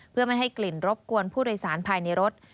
เพื่อไม่ให้กลิ่นรบกวนผู้โดยสารภายในรถ